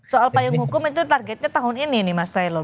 soal payung hukum itu targetnya tahun ini nih mas taylo